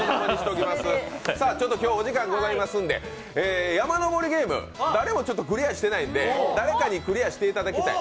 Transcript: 今日お時間ございますんで「山のぼりゲーム」、誰もクリアしていないので、誰かにクリアしてもらいたい。